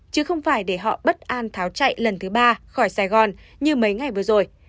chứ không phải để họ bất an tháo chạy lần thứ ba khỏi sài gòn như mấy ngày vừa rồi